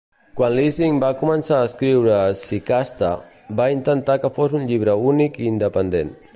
Quan Lessing va començar a escriure "Shikasta" va intentar que fos un llibre únic i independent.